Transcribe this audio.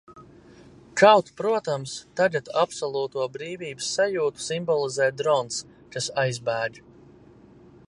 Kaut, protams, tagad absolūto brīvības sajūtu simbolizē drons, kas aizbēg.